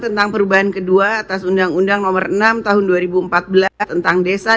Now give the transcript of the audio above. tentang perubahan kedua atas undang undang nomor enam tahun dua ribu empat belas tentang desa